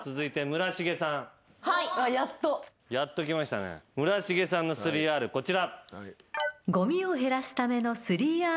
村重さんの３Ｒこちら。